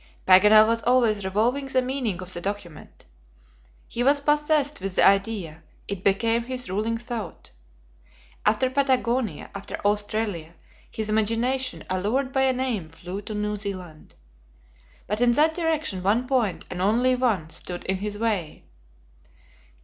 Paganel was always revolving the meaning of the document. He was possessed with the idea; it became his ruling thought. After Patagonia, after Australia, his imagination, allured by a name, flew to New Zealand. But in that direction, one point, and only one, stood in his way.